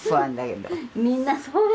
みんなそうよ。